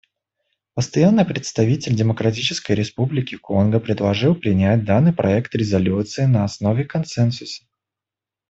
Постоянный представитель Демократической Республики Конго предложил принять данный проект резолюции на основе консенсуса.